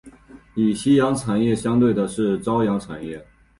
与夕阳产业相对的是朝阳产业。